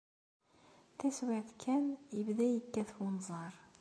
Taswiɛt kan, yebda yekkat unẓar.